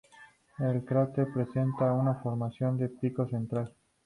El cráter presenta una formación de pico central.